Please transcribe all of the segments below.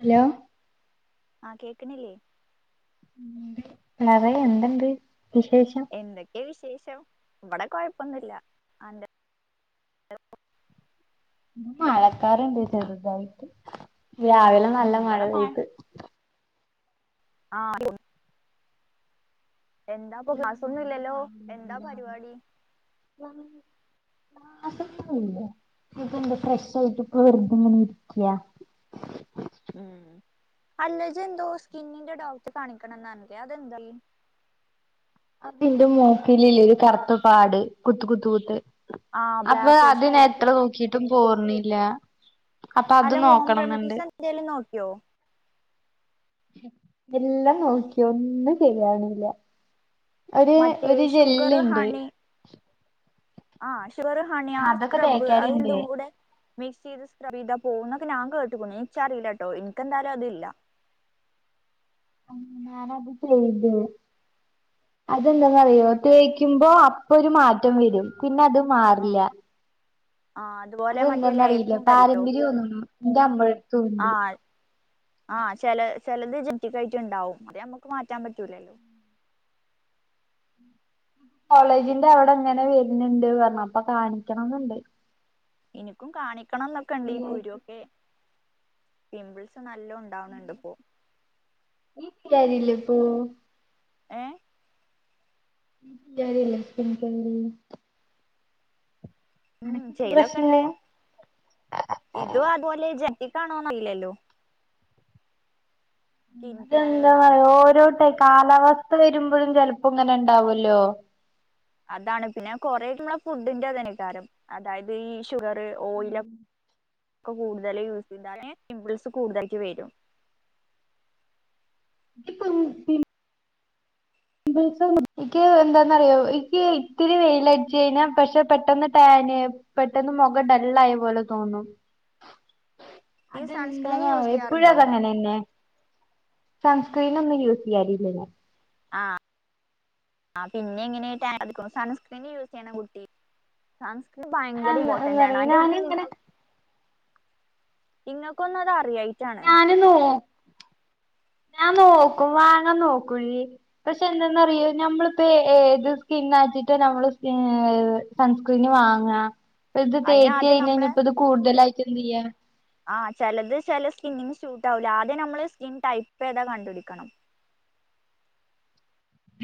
Hello ആ കേക്ക്ണില്ലേ ന്നറയെ എന്ത്ണ്ട് വിശേഷം എന്തൊക്കെ വിശേഷം ഇവടെ കൊഴപ്പൊന്നുല്ല അന്റെ മഴക്കാർണ്ട് ചെർതായിട്ട് രാവിലെ നല്ല ഉം മഴ ഇവിടെ പെയ്ത് ആ [unintelligible] എന്താപ്പൊ ക്ലാസൊന്നുംല്ലല്ലോ എന്താ പരിവാടി [unintelligible] ക്ലാസൊന്നും ഇല്ല ഇപ്പം ന്ത ഫ്രഷായിട്ട് ഇപ്പ വെർതെ ഇങ്ങനെ ഇരിക്കാ ഉം അല്ലജ് ന്തോ സ്കിന്നിന്റെ ഡോക്ട്റേ കാണിക്കണം ന്നർഞ്ഞിലേ അതെന്തായി അതിന്റെ മൂക്കിൽല്ലേ ഒരു കറുത്തപ്പാട് കുത്ത് കുത്ത് കുത്ത് ആഹ് അപ്പൊ ബ്ലാക്ക് ഹെഡ്സ് അതിനെ ആയിരിക്കും എത്ര നോക്കിട്ടും പോർണില്ല അപ്പൊ അത് നോക്കണം ന്ന്ണ്ട് ന്തേലും നോക്കിയോ എല്ലാം നോക്കി ഒന്നും ശെരിയാവ്ണില്ല എടീ മറ്റേ ഒര് ഷുഗർ ജെല്ല്ണ്ട് ആ ശുവർ ഹണി ആ അതൊക്കെ സ്ക്രബ് തേക്കാറുണ്ട് അയിന്റെ കൂടെ മിക്സെയ്ത് സ്ക്രബയ്താ പോവും ന്നൊക്കെ ഞാൻ കേട്ടുക്ണേ എനിച്ചറിയില്ല കേട്ട്ക്ക്ണു ഇച്ചറീലട്ടോ ഇക്കെന്തായാലും അതില്ല അ ഞാനത് ചെയ്തു അതെന്താെന്നറയോ എന്നിട്ട് തേക്ക ക്കുമ്പോ അപ്പൊ ഒരു മാറ്റം വരും പിന്നെ അത് മാറില്ല ആൽ അതെന്തന്നറിയില്ല പാരമ്പര്യം ഒന്നും എന്റെ അമ്മട്ത്തുണ്ട് ആഹ് ആഹ് ചെല ചെലത് ജെറ്റിക്കായിട്ട്ണ്ടാവും അയമ്മക്ക് മാറ്റാൻ പറ്റൂലല്ലോ കോളേജിന്റെ അവ്ടെങ്ങനെ വരുന്ണ്ട് പറഞപ്പൊ കാണിക്കണന്നുണ്ട് ഇനിക്കും കാണിക്കണം ന്നൊക്കെണ്ട് ഈ നീ കുരു ഒക്കെ പിംമ്പിൾസ് നല്ലോം ഇണ്ടാവണ്ണ്ണ്ട് ഇപ്പോ ഈ കാരിലിപ്പോ ഏഹ് [unintelligible] ഉം അനക്കെന്താ ചെയ്യലൊക്കെണ്ട് പ്രശ്നം ഇതുവോ അത് ബോലെ ജനറ്റിക്കാണോന്നറീലല്ലോ അറിയില്ലല്ലോ സ്കിൻ കെയർ അതെന്താ പറയാ ഡാർക്സ് ഓരോ ടെയ് കാലാവസ്ഥ വരുമ്പഴും ചെലപ്പോങ്ങനെ ഇണ്ടാവല്ലോ അതാണ് പിന്നെ കൊറേക്കെ മ്മളെ ഫുഡിന്റെ തെന്നെകാരം അതായത് ഈ ഷുഗർ ഓയിലൊ ക്കെ കൂടുതൽ യൂസ്യ്താല് പിംമ്പിൾസ് കൂടുതൽക്ക് വരും ഇപ്പം പി മ്പ്ൾസാ ഇക്ക് എന്താന്നറിയോ ഇക്ക് ഇത്തിരി വെയിലട്ച്ചഴിഞ്ഞാ പക്ഷേ പെട്ടന്ന് ടാന് പെട്ടെന്ന് മൊഖ ഡള്ളായ പോലെ തോന്നും [inaudible] സൺസ്ക്രീൻ യൂസ് അതെന്താന്നറിയോ ഇപ്പഴും ചെയ്യാറുണ്ടോ അത അങ്ങനെന്നെ സൺസ്ക്രീനാന്നും യൂസ് ചെയ്യാരില്ലേനോ ആഹ് ആഹ് പിന്നെ ങ്ങനെയ ട്ടാൻ സൺസ്ക്രീന് യൂസ് ചെയ്ണ കുട്ടി സൺസ്ക്രീൻ ഭയങ്കര ഞാൻ ആഹ് എന്താ ഇമ്പോർട്ടന്റ്ണ് പറയാ അന്റെ ഇത് നി ഞാനിങ്ങനെ ഇങ്ങക്കൊന്നും അതെറിയായ്ട്ടാണ് [unintelligible] ഞാൻ നോക്കും വാങ്ങാൻ നോക്കൂ പക്ഷെ എന്തന്നറിയോ നമ്മളിപ്പോ ഏത് സ്കിന്നായ്ച്ചിട്ട് നമ്മള് സ്ക് സൺസ്ക്രീന് വാങ്ങാ. ഇപ്പ ഇത് അയിന് തേച്ച് ആദ്യം നമ്മള് കഴിഞ്ഞഴിഞ്ഞപ്പോ ഇത് കൂടുതലായിട്ട് എന്ത് ചെയ്യാ? ആഹ് ചെലത് ചെല സ്കിന്നിന് സ്യൂട്ട് ആവൂല. ആദ്യം നമ്മള് സ്കിൻ ടൈപ്പ് ഏതാ കണ്ടു പിടിക്കണം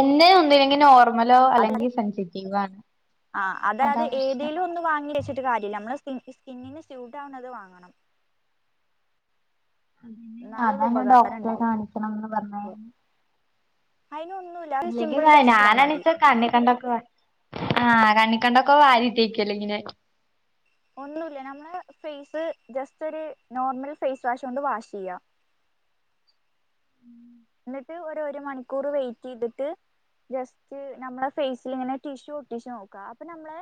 എന്നെ ഒന്നില്ലങ്കി നോർമലോ അത് അല്ലെങ്കി സെൻസിറ്റീവോ ആണ് അതാ പ്രശ്നം. ച്ചിട്ട് കാര്യല്ല. നമ്മള സ്കി സ്കിന്നിന് സ്യൂട്ട് ആവണത് വാങ്ങണം. അതെന്നേ, എന്നാലൊള്ളു അതാ ഞാൻ ഉപകാരം ഡോക്ടറെ ഉണ്ടാവു കാണിക്കണംന്ന് പറഞ്ഞേ. അയിനൊന്നു അല്ലെങ്കിലേ ഞാനാണിച്ചേ കണ്ണിക്കണ്ടൊക്കെ, ആഹ് കണ്ണിക്കണ്ടൊക്കെ വാരിത്തേക്കല്ലെ ഇങ്ങനെ? ഒന്നുല്ല നമ്മള ഫേയ്സ് ജസ്റ്റ് ഒരു നോർമൽ ഫേയ്സ് വാഷ് കൊണ്ട് വാഷ് ചെയ്യാ. ന്നിട്ട് ഒര് ഒരു മണിക്കൂർ വെയിറ്റെയ്തിട്ട് ജസ്റ്റ് നമ്മള ഫേയ്സില് ഇങ്ങനെ ടിഷ്യു ഒട്ടിച്ച് നോക്ക അപ്പൊ നമ്മളെ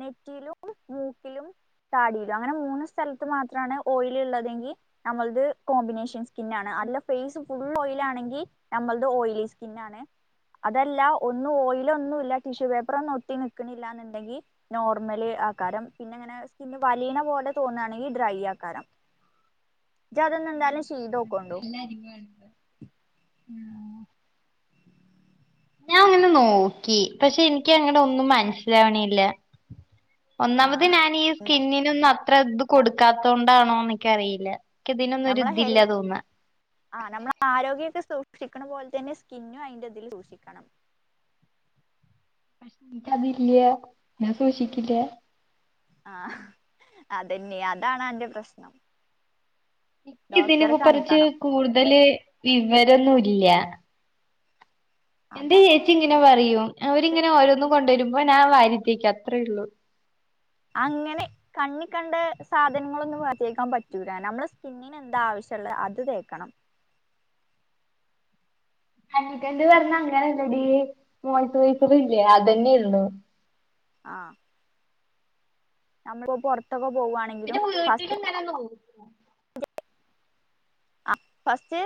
നെറ്റിയിലും മൂക്കിലും താടിലും അങ്ങനെ മൂന്ന് സ്ഥലത്ത് മാത്രാണ് ഓയില് ഇള്ളതെങ്കി നമ്മൾത് കോമ്പിനേഷൻ സ്കിന്നാണ് അല്ല ഫേയ്സ് ഫുള്ള് ഓയിലാണ് ണെങ്കി നമ്മൾത് ഓയിലി സ്കിന്നാണ്. അതല്ല ഒന്നും ഓയില് ഒന്നുല്ല ടിഷ്യൂ പേപ്പർ ഒന്നും ഒട്ടി നിക്ക്ണില്ല എന്ന്ണ്ടെങ്കി നോർമല് ആക്കാരം പിന്നെ ഇങ്ങനെ സ്കിന്ന് വലിയണ പോലെ തോന്നാണെങ്കിൽ ഡ്രൈ ആക്കാരം. ഇജ്ജ് അതൊന്നു എന്തായാലും ശ് [unintelligible] ആഹ് ഞാൻ അങ്ങനെ നോക്കി പക്ഷെ എനിക്ക് അങ്ങട് ഒന്നും മനസ്സിലാവണില്ല. ആ ഒന്നാമത് ഞാന് ഈ സ്കിന്നിനൊന്നും അത്ര ഇത് കൊടുക്കാത്ത കൊണ്ടാണോ എനിക്കറിയില്ല. ക്ക്‌ ഇതിനൊന്നും ഒരിതില്ല തോന്നാ. ആഹ് നമ്മള് ആരോഗ്യക്കെ സൂക്ഷിക്കണ പോലെ തന്നെ സ്കിന്നും അയിന്റെ ഇതില് സൂക്ഷിക്കണം. പക്ഷേ എനിക്ക് അതില്യാ ഞാൻ സൂക്ഷിക്കില്ല. ആഹ് അതന്നെ അതാണ് അന്റെ പ്രശ്നം. എനിക്ക് ഇതിന് ഡോക്ടറെ കു പറിച്ച് കാണിക്കണം കൂടുതല് വിവരൊന്നും ഇല്ല. എന്റെ ചേച്ചി അതങ്ങനെ ഇങ്ങനെ വിവര പറയും അവരിങ്ങനെ ഓരോന്ന് കൊണ്ടുവരുമ്പോ ഞാൻ വാരിത്തേക്കും അത്രേ എള്ളൂ. അങ്ങനെ കണ്ണി കണ്ട സാധനങ്ങളൊന്നും വാരി തേയ്ക്കാൻ പറ്റൂല. നമ്മള സ്കിന്ന് എന്താ ആവശ്യള്ളെ അത് തേക്കണം. കഞ്ഞിക്കണ്ട് പറഞ്ഞ അങ്ങെനെല്ലെടി മൊയ്‌സു അയ്സെർ ഇല്ലേ അതെന്നെയൊള്ളു. ആഹ് ഞമ്മളിപ്പോ പൊർത്തൊക്കെ പോവാ പിന്നെ വീട്ട്ലിങ്ങെനെ ന്നോ അഹ് ഫസ്റ്റ്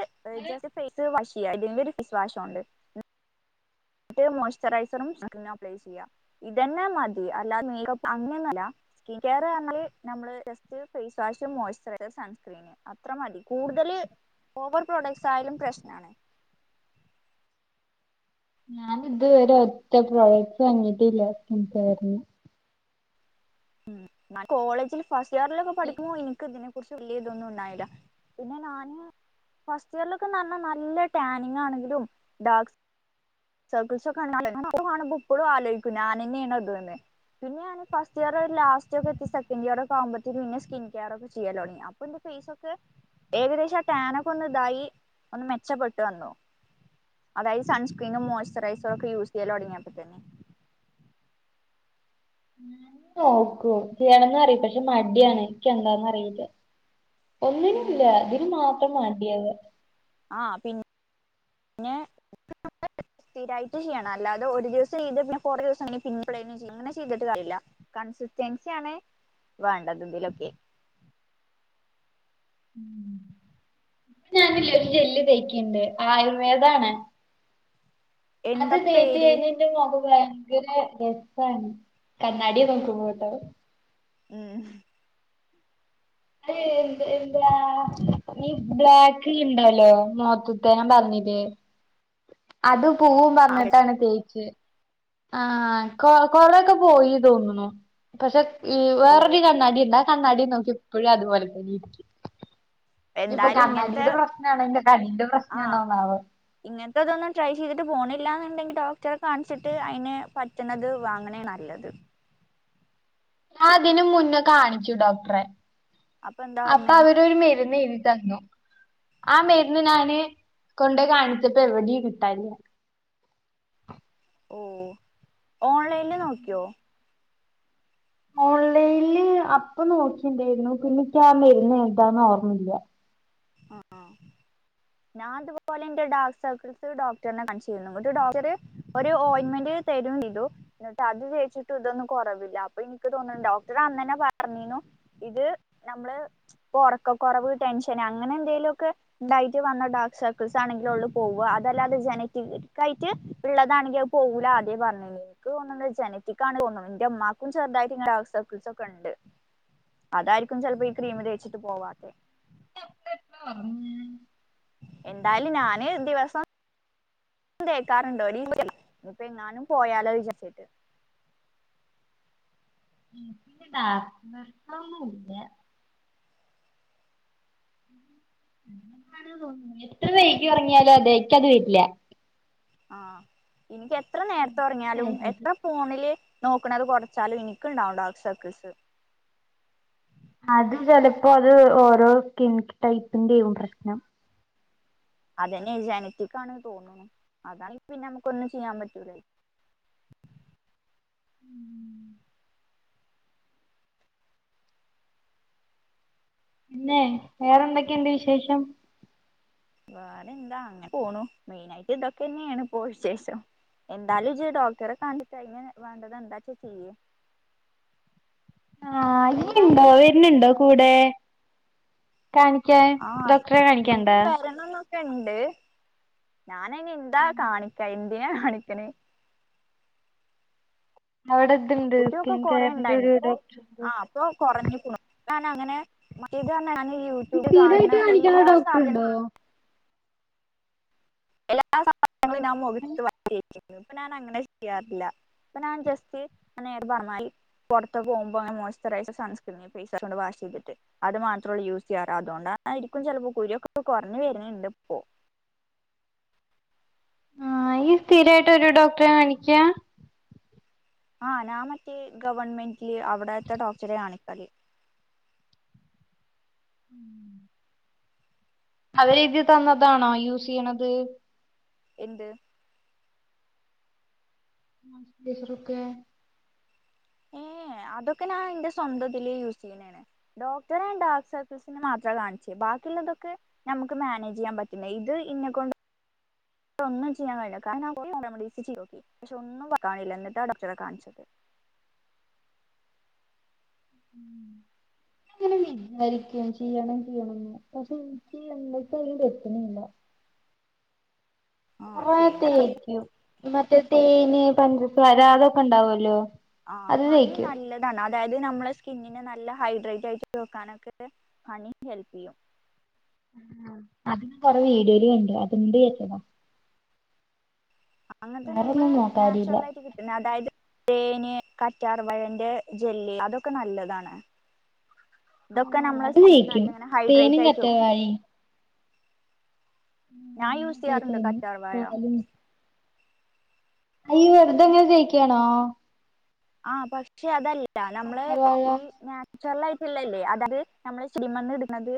ജസ്റ്റ് ഫേസ് വാഷെയ്യ ഇതി ഒരു ഫേസ് വാഷോണ്ട്. ന്നട്ട് മോയ്സ്ചുറയ്സറും സൺസ്ക്രീനും അപ്ലൈ ചെയ്യാ. ഇതന്നെ മതി അല്ലാതെ മേക്കപ്പ് അങ്ങനൊന്നല്ല. സ്കിൻ കെയർ പർഞ്ഞാൽ നമ്മള് just face wash moisturiser sunscreen. അത്ര മതി കൂടുതെൽ ഓവർ പ്രൊഡക്ട്സ് ആയാലും പ്രശ്നാണ്. ഞാനിത് വെരെ ഒറ്റ പ്രോഡക്ട്സ് വാങ്ങിട്ടില്ല സ്കിൻ കെയറിന്. ഉം ന്നൽ കോളേജില് ഫസ്റ്റ് ഇയറിലൊക്കെ പഠിക്കുമ്പോൾ ഇൻക്ക് ഇതിന് കുർച്ച് വല്ല്യാ ഇതൊന്നും ഇണ്ടായില്ല പിന്നെ ഞാന് ഫസ്റ്റ് ഇയറിലൊക്കെന്നർഞ്ഞാൽ നല്ല ടാനിങ്ങ് ആണെങ്കിലും ഡാക്സ് സർക്ക്സൊക്കെ [unintelligible] എപ്പഴും ആലോക്കും നാനെന്നെയാണോ ഇത്ന്ന് പിന്നെ ഞാന് ഫസ്റ്റ് ഇയർ ഒര് ലാസ്റ്റ് ഒക്കെ എത്തി സെക്കന്റ് ഇയർ ഒക്കെ ആവുമ്പോത്തിനും പിന്നെ സ്കിൻ കെയറൊക്ക ചെയ്യലൊട്ങ്ങി. പ്പന്റെ ഫേസൊക്കെ ഏകദേശ ആ ടാനൊക്കെ ഒന്ന് ഇതായി ഒന്ന് മെച്ചപ്പെട്ട് വന്നു. അതായെത് സൺസ്ക്രീനും മോയ്സ്ചറൈസറും ഒക്കെ യൂസ് ചെയ്യല് തൊടങ്ങിയപ്പോ തന്നെ. ഞാനും നോക്കും ചെയ്യണംന്ന് പറി പക്ഷെ മടിയാണ് ഇക്ക്യ് എന്താന്നറിയില്ല. ഒന്നിനുല്ല പിന്നെ ഇതിന് മാത്രം മാണ്ടിയെത്. ആഹ് പിന്നെ [unintelligible] സ്ഥിരായിട്ട് ചെയ്യണം അല്ലാതെ ഒരു ദിവസം ചെയ്ത് പിന്നെ കുറേ ദിവസം അങ്ങനെ പിന്നെ എപ്പളെങ്കി ചെയ്യ അങ്ങനെ ചെയ്തിട്ട് കാര്യല്ല. കൺസിസ്റ്റൻസിയാണ് വേണ്ടെത് ഇതിലൊക്കെ. ഉം. ഇപ്പ ഞാനില്ലേ ഒരു ജെല്ല് തേക്ക്ണ്ട് ആയുർവേദാണ്. അത് എന്താ തേച്ച് പേര് യ്ഞ്ഞി. ട്ട് നോക്കുമ്പോ ഭയങ്കര രസണ് കണ്ണാടി നോക്കുമ്പോട്ടോ. ഉം. അഹ് എന്ത് എന്താ. ഈ ബ്ലാക്ക് ഇണ്ടല്ലോ [unintelligible] ഞാ പറഞ്ഞില്ലേ. അത് പൂവും പറഞ്ഞിട്ടാണ് തേച്ച്. ആഹ് കൊ കൊറൊക്കെ പോയി തോന്നുന്നു പക്ഷെ ഇ ഓ വേറൊരു കണ്ണാടി ള്ളെ. കണ്ണാടി നോക്കി പ്പഴും അതുപോലെ തന്നെ ഇരിക്ക. ഇപ്പൊ എന്തായാലും ഇങ്ങനത്തെ കണ്ണാടിയുടെ പ്രശ്ന ആണോ എന്റെ കണ്ണ്ന്റെ പ്രശ്നാണോന്നാവൊ ഇങ്ങൻത്തെതൊന്നും ട്രൈ ചെയ്തിട്ട് പോണില്ലന്നുണ്ടെങ്കിൽ ഡോക്ടറെ കാണിച്ചിട്ട് അയിന് പറ്റണത് വാങ്ങണേ നല്ലത്. ആതിന് മുന്നേ കാണിച്ചു ഡോക്ടറെ എന്താ അപ്പൊ പറഞ്ഞേ അവരൊരു മരുന്ന് എഴുതി തന്നു. ആഹ് മരുന്ന് ഞാന് കൊണ്ട് കാണിച്ചപ്പോ എവിടെയും കിട്ടാൻല്ല. ഓഹ് ഓൺലൈനില് നോക്കിയോ. ഓൺലൈനില് അപ്പൊ നോക്കിണ്ടായിരുന്നു പിന്നെ ഇൻക്യാ മര്ന്ന് എന്താന്ന് ഓർമല്യാ ആഹ് ആഹ് ഞാൻ തുപോലെ എന്റെ ഡാർക്ക് സർക്കിൾസ് ഡോക്ടറിനെ കാണിച്ചിരുന്നു ങ്ങട്ട് ഡോക്ടർ ഒരു ഓയിൽമെൻറ്. തരു ചെയ്തു ന്നട്ട് അത് തേച്ചിട്ട് ഇതൊന്നും കുറവില്ല അപ്പൊ എനിക്ക് തോന്നുന്നു ഡോക്ടറെ അന്നന്നെ പറഞ്ഞീനു. ഇത് നമ്മള് പൊറക്ക കുറവ് ടെൻഷന് അങ്ങനെ എന്തെേലും ഒക്കെ. ണ്ടായിട്ട് വന്ന ഡാർക്ക് സർക്കിൾസ് ആണെങ്കിലൊള്ള് പോവ അതല്ലാതെ ജെനറ്റിക്ക ആയിട്ട്. ള്ളതാണെങ്കി അഹ് പോവൂല അദ്യേ പർഞ്ണ് ക്ക് തോന്നുന്ന ജനറ്റിക്ക് ആണ് തോന്നുന്ന ന്റെമ്മാക്കും ചെറുതായിട്ട് ഇങ്ങനെ അവസ്ഥ. ക്ൾസൊക്കെണ്ട് അതായിരിക്കും ചിലപ്പോ ഈ ക്രീം തേച്ചിട്ട് പോവാതെ. [unintelligible] എന്തായാലും ഞാന് ദിവസം. തേക്കാറുണ്ട് [inaudible] എങ്ങാനും പോയാലോ വിചരിച്ചിട്ട്. ഡാർക്നെസ് ഒന്നുല്ല. എത്ര വൈകി ഒറങ്ങിയാലും അതേ ഇക്കത് വരില്ല ആഹ് എനിക്ക് എത്ര നേരത്തെ ഉറങ്ങിയാലും എത്ര. ഫോണില് നോക്കണത് കുറച്ചാലും എനിക്കുണ്ടാകും ഡാർക്ക് സർക്കിൾസ്. അത് ചെലപ്പോ അത് ഓരോ സ്കിൻ ടൈപ്പിന്റെയും പ്രശ്നം. അതന്നെ ജനറ്റിക്ക് ആണ് തോന്നുന്നു അതാണ് പിന്നെ നമുക്ക് ഒന്നും ചെയ്യാൻ പറ്റൂലല്ലോ. പിന്നെ വേറെന്തൊക്കെയുണ്ട് വിശേഷം. വേറെ എന്താ അങ്ങനെ പോണു മെയിൻ ആയിട്ട് ഇതൊക്കെ തന്നെയാണ് ഇപ്പോ വിശേഷം. എന്താലും ഇജ്ജ് ഡോക്ടറെ കണ്ടിട്ട് അയിന് വേണ്ടത് എന്താച്ചാ ചെയ്യ്. ആഹ് ഇയ്യ്ണ്ടോ എല്ലാരും വരുന്നുണ്ടോ കൂടെ. കാണിക്കാൻ ഡോക്ടറെ കാണിക്കണ്ടോ. കണ്ട് ഞാൻ അയ്ന് എന്താ കാണിക്കാ എന്തിനാ കാണിക്കണെ അവടെ [unintelligible] കുരു ഒക്കെ കൊറേ ണ്ടായിരുന്നു ഇപ്പൊ ആഹ് ഇപ്പോ കുറഞ്ക്ണു ഞാൻ അങ്ങനെ ഇതന്നെ ഞാൻ യൂട്യൂബിൽ കാണുന്ന സ്ഥിരായിട്ട് കാണിക്കണ എല്ലാ സാധനങ്ങളും. ഡോക്ടറുണ്ടോ എല്ലാ സാധനങ്ങളും ഞാൻ മുഖത്ത് വാരി തേക്കും ഇപ്പൊ ഞാൻ അങ്ങനെ ചെയ്യാറില്ല. ഇപ്പൊ ഞാൻ ജസ്റ്റ് [unintelligible] പുറത്ത് പോകുമ്പോ മോയിസ്ചറൈസർ സൺസ്ക്രീം ഫേസ് വാഷ് കൊണ്ട് വാഷ് ചെയ്തിട്ട്. അത് മാത്രള്ളു യൂസ് ചെയ്യാറ് അതുകൊണ്ടായിരിക്കും ചിലപ്പോ കുരുയൊക്കെ പ്പൊ കുറഞ്ഞു വരുന്നുണ്ട് ഇപ്പോ. ആഹ് ഇയ്യ് സ്ഥിരായിട്ട് ഒരു ഡോക്ടറെ കാണിക്കാ. ആഹ് ഞാൻ മറ്റേ ഗവൺമെന്റില് അവിടത്തെ ഡോക്ടറെ കാണിക്കല്. [inaudible] അവരെഴുതി തന്നതാണോ യൂസ് ചെയ്യണത്. എന്ത്. മോയിസ്ചറൈസർ ഒക്കെ. ഏ അതൊക്കെ ഞാൻ എന്റെ സ്വന്തതിൽ യൂസ് ചെയ്യുന്നതാണ്. ഡോക്ടറെ ഡാക്ക് സർക്കിൾസ്ന് മാത്ര കാണിചെ ബാക്കിയുള്ളതൊക്കെ ഞമ്മക്ക് മാനേജ് ചെയ്യാൻ പറ്റില്ല ഇത് ഇന്നെക്കൊണ്ട് പക്ഷൊന്നും ചെയ്യാൻ കഴില്ല കാരണം ഞാൻ കൊറേ ഹോം റെമഡീസ് ചെയ്തു നോക്കി പക്ഷേ ഒന്നും വർക്കാവനില്ല എന്നിട്ടാ ഡോക്ടറെ കാണിച്ചത്. [inaudible] ങ്ങനെ വിചാരിക്കും ചെയ്യണം ചെയ്യണംന്ന് പക്ഷെ എനിക്ക് എന്നിട്ട അതിന്റെ എത്തനല്ല. ആ കൊറേ ചെയ്ത തേക്കൂ മറ്റേ തേന് പഞ്ചസാര അതൊക്കെ ഉണ്ടാവല്ലോ? ആഹ് അത് ഹണി തേക്കും നല്ലത്. അതായത് നമ്മളസ്കിന്നിനന് നല്ല ഹൈഡ്രേറ്റ് ആയിട്ട് വെക്കാനൊക്കെ പണി ഹെൽപ് ചെയ്യും. ഉം അതി കൊറെ വീഡിയോല് കണ്ട് അതുകൊണ്ടയ്തതാ അങ്ങനത്തെ നമ്മള് വേറൊന്നും നോക്കാറില്ല നാച്ചുറൽ ആയിട്ട് കിട്ടുന്നത് അതായത് തേന് കറ്റാർ വാഴന്റെ ജെല്ല് അതൊക്കെ നല്ലതാണ്. തൊക്കെ ആഹ് നമ്മളെ അത് സ്കിന്ന് തേക്കും നല്ലങ്ങനെ ഹൈഡ്രേറ്റ് തേനും ആയിട്ട് വെക്കും കറ്റാർവാഴയും ഞാൻ യൂസ് ചെയ്യാറുണ്ട് തേച്ചായിരുന്നു കറ്റാർ വായ പാലും ഏയ് യവെറുതെങ്ങനെ തേക്കാണോ? ആഹ് പക്ഷെ അതല്ല നമ്മള് ഈ കറ്റാർവാഴ നാ ച്ചുറൽ ആയിട്ടില്ലല്ലേ അതത് നമ്മള് ചെടിമന്ന് ഇടുന്നത്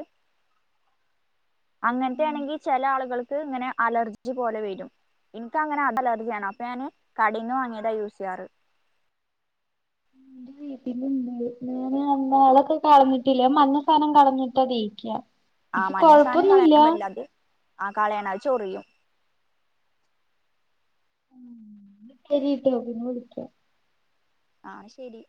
അങ്ങനത്തെ ആഹ് ആണെങ്കി ചെല ആളുകൾക്ക് ഇങ്ങനെ അലർജി പോലെ വരും. ഇനിക്ക അങ്ങനെ അത് അലർജിയണ് അപ്പൊ ഞാന് കടയിൽന്ന് വാങ്ങിയതാ യൂസ് ചെയ്യാറ്. [inaudible] പിന്ന ഞാന് അന്ന് അതൊക്കെ കളഞ്ഞിട്ടില്ല മഞ്ഞ സാനം കളഞ്ഞിട്ട തേക്ക ആഹ് എനിക്ക് മഞ്ഞ സാനം കൊഴപ്പൊന്നുല്ല കളയാൻ പറ്റില്ല ആഹ് കളയണം അത് ചൊറിയും ശരി ട്ടോ പിന്നെ വിളിക്യാ ആഹ് ശരി